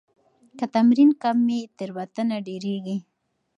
که تمرین کم وي، تېروتنه ډېريږي.